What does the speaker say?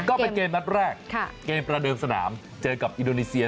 ก็เป็นเกมนัดแรกเกมประเดิมสนามเจอกับอินโดนีเซีย